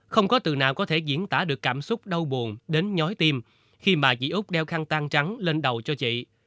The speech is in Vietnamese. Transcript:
không có từ nào có thể diễn tả được cảm xúc đau buồn đến nhói tim khi mà chị úc đeo khăn tan trắng lên đầu cho chị